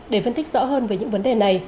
để phân tích rõ hơn về những vấn đề này